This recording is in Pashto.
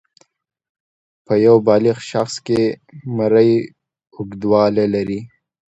په یو بالغ شخص کې مرۍ اوږدوالی لري.